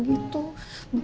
bukan ditutup pintunya mas